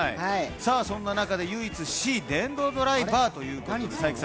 そんな中で唯一、Ｃ電動ドライバーということですが？